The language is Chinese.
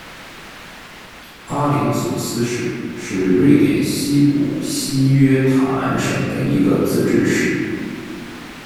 阿灵索斯市是瑞典西部西约塔兰省的一个自治市。